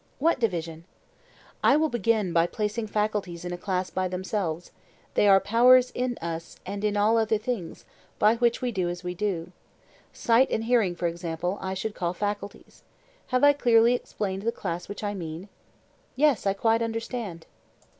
What division? I will begin by placing faculties in a class by themselves: they are powers in us, and in all other things, by which we do as we do. Sight and hearing, for example, I should call faculties. Have I clearly explained the class which I mean? Yes, I quite understand.